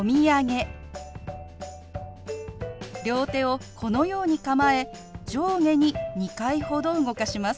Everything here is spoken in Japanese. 両手をこのように構え上下に２回ほど動かします。